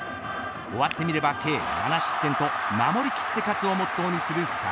終わってみれば、計７失点と守りきって勝つをモットーにする侍